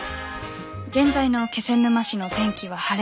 現在の気仙沼市の天気は晴れ。